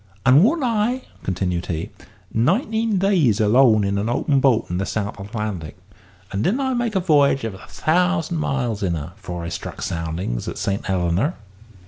And warn't I," continued he, "nineteen days alone in an open boat in the South Atlantic; and didn't I make a v'y'ge of a thousand miles in her afore I struck soundings at Saint Helena?"